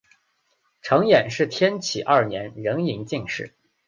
陈演是天启二年壬戌进士。